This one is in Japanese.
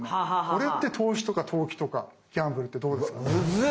これって投資とか投機とかギャンブルってどうですか？